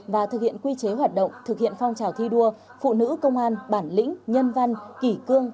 và thực hiện quy chế hoạt động thực hiện phong trào thi đua phụ nữ công an bản lĩnh nhân văn kỷ cương